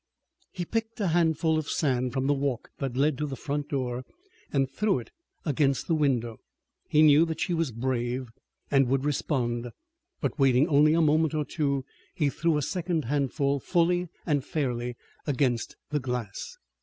He picked a handful of sand from the walk that led to the front door and threw it against the window. He knew that she was brave and would respond, but waiting only a moment or two he threw a second handful fully and fairly against the glass.